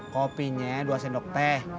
kopinya dua sendok teh